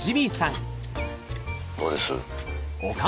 どうです？